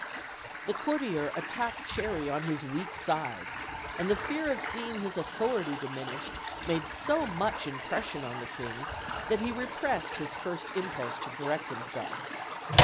The courtier attacked Cherry on his weak side; and the fear of seeing his authority diminished made so much impression on the king that he repressed his first impulse to correct himself.